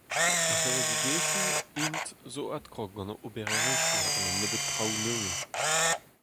Ar c'hevredigezhioù, int, zo adkrog gant o oberezhioù gant un nebeud traoù nevez.